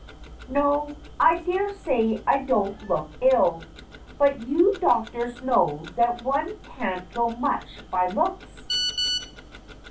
No, I dare say I don't look ill, but you doctors know that one can't go much by looks.